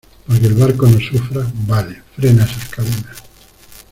para que el barco no sufra. vale . frena esas cadenas .